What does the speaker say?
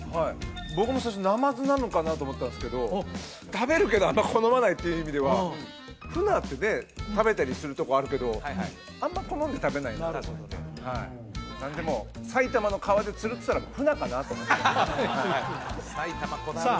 僕も最初ナマズなのかなと思ったんですけど食べるけどあんま好まないっていう意味ではフナってね食べたりするとこあるけどあんま好んで食べないなってなるほどなるほどなのでもう埼玉こだわるなさあ